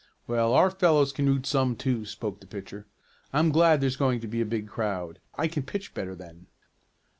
"Well, our fellows can root some too," spoke the pitcher. "I'm glad there's going to be a big crowd. I can pitch better then."